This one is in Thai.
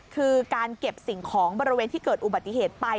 คือการเก็บสิ่งของบริเวณที่เกิดอุบัติเหตุไป